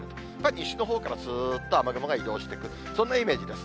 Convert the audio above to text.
西のほうからすーっと雨雲が移動してくる、そんなイメージです。